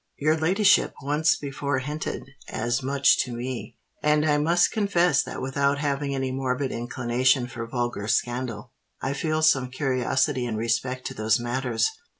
"Your ladyship once before hinted as much to me; and I must confess that without having any morbid inclination for vulgar scandal, I feel some curiosity in respect to those matters."